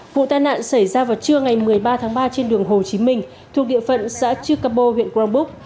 vụ tai nạn xảy ra vào trưa ngày một mươi ba tháng ba trên đường hồ chí minh thuộc địa phận xã chư cà bô huyện grongbuk